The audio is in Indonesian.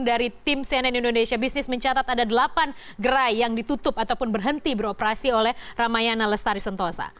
dari tim cnn indonesia business mencatat ada delapan gerai yang ditutup ataupun berhenti beroperasi oleh ramayana lestari sentosa